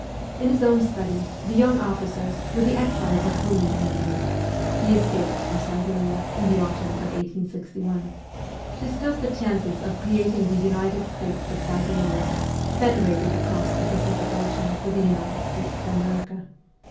In his own study, the young officers, with the exile Bakiinin among them (he escaped from Siberia in the autumn of 1861), discussed the chances of creating the United States of Siberia, federated across the Pacific Ocean with the United States of America.